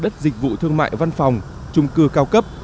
đất dịch vụ thương mại văn phòng trung cư cao cấp